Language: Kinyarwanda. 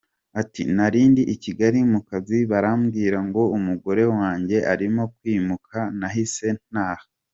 Ati “Narindi i Kigali mu kazi barambwira ngo umugore wanjye arimo kwimuka nahise ntaha .